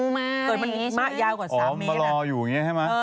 มันเห็นอาจจะมีงูมาแบบนี้ใช่ไหมอ๋อมันมารออยู่อย่างนี้ใช่ไหม